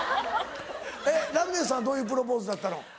ラミレスさんはどういうプロポーズだったの？